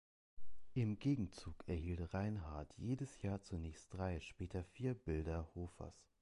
Im Gegenzug erhielt Reinhart jedes Jahr zunächst drei, später vier Bilder Hofers.